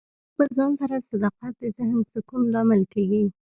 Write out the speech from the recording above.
د خپل ځان سره صداقت د ذهن سکون لامل کیږي.